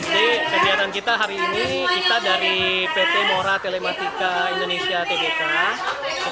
jadi kegiatan kita hari ini kita dari pt mora telematika indonesia terbuka